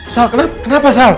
sal kenapa sal